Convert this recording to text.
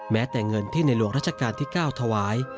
แม้แต่เงินที่ในหลวงราชการที่๙ถวาย